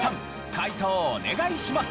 解答をお願いします！